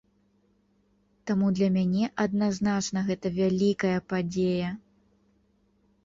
Таму для мяне адназначна гэта вялікая падзея.